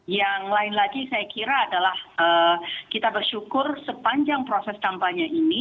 yang lain lagi saya kira adalah kita bersyukur sepanjang proses kampanye ini